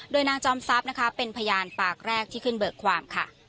โดยนางจอมซับเป็นพยานปากแรกที่ขึ้นเบิกความ